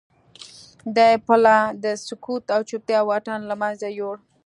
دې پله د سکوت او چوپتیا واټن له منځه یووړ